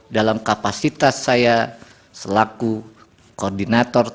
dalam kapasitas saya selaku koordinator